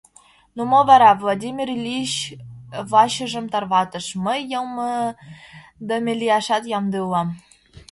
— Ну мо вара, — Владимир Ильич вачыжым тарватыш, — мый йылмыдыме лияшат ямде улам.